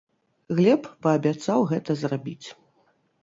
Глеб паабяцаў гэта зрабіць.